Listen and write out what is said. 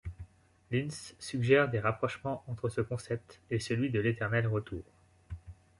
Lynds suggère des rapprochements entre ce concept et celui de l'éternel retour.